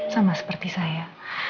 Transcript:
sama seperti saya